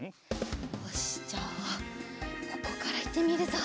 よしじゃあここからいってみるぞ。